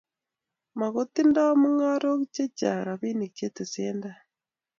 Mako tindo mungarok che chang rapinik che tesendai